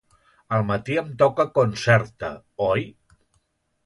Al matí em toca Concerta, oi?